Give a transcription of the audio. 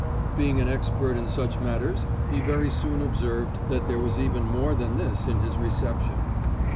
Being an expert in such matters he very soon observed that there was even more than this in his reception.